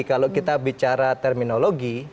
kalau kita bicara terminologi